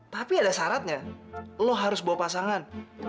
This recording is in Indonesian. tapi ada syaratnya lo harus bawa pasangan